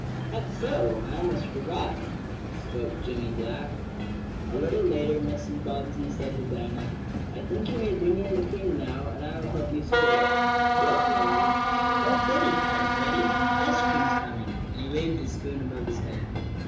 "That's so I almost forgot," spoke Jimmie Black. A little later Mrs. Bobbsey said to Dinah: "I think you may bring in the cream now, and I will help you serve it." "Yes, ma'am." "Oh, goodie!" cried Freddie. "Ice cream's coming!" and he waved his spoon above his head.